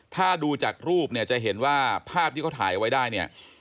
ถ้าดูจากรูปจะเห็นว่าภาพที่เขาถ่ายไว้ได้